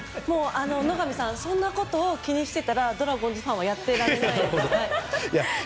野上さんそんなことを気にしていたらドラゴンズファンはやってられないので。